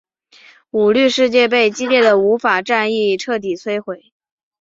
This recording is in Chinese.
舞律世界被激烈的舞法战役彻底摧毁。